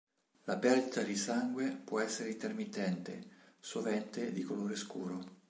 La perdita di sangue può essere intermittente, sovente di colore scuro.